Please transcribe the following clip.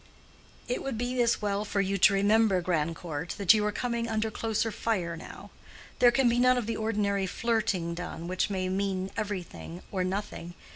"It would be as well for you to remember, Grandcourt, that you are coming under closer fire now. There can be none of the ordinary flirting done, which may mean everything or nothing.